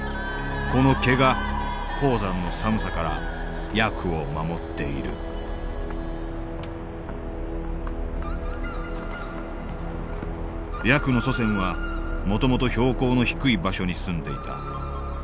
この毛が高山の寒さからヤクを守っているヤクの祖先はもともと標高の低い場所に住んでいた。